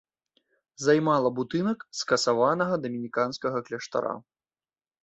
Займала будынак скасаванага дамініканскага кляштара.